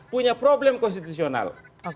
punya problem konstitusional